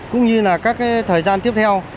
cũng như là các thời gian tiếp theo